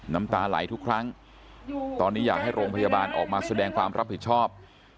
น้ำตาไหลทุกครั้งตอนนี้อยากให้โรงพยาบาลออกมาแสดงความรับผิดชอบ